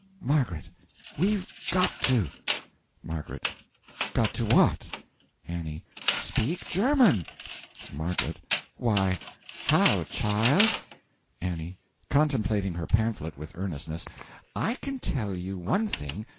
Margaret we've got to. M. Got to what? A. Speak German. M. Why, how, child? A. (Contemplating her pamphlet with earnestness.) I can tell you one thing.